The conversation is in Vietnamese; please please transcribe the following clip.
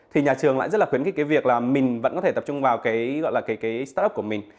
thì nhà trường lại rất là khuyến khích cái việc là mình vẫn có thể tập trung vào cái startup của mình